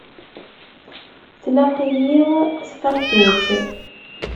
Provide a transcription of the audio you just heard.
Tlaq-iyi tfakturt.